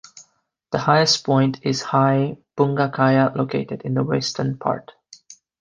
The highest point is high Punga Khaya located in the western part.